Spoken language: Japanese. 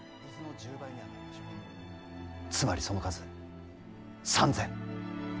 つまりその数３，０００。